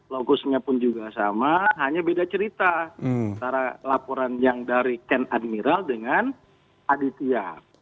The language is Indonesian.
logosnya pun juga sama hanya beda cerita antara laporan yang dari ken admiral dengan aditya